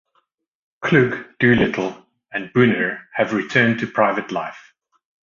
Klug, Doolittle, and Boehner have returned to private life.